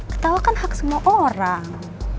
ketawa kan hak semua orang